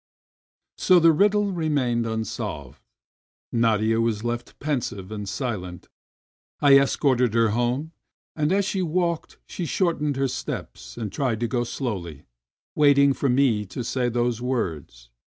So the riddle remained unsolved ! Nadia was left pensive and silent. I escorted her home, and as she walked she shortened her steps and tried to go slowly, waiting for me to say those words.